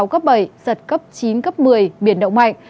giật cấp chín một mươi biển động mạnh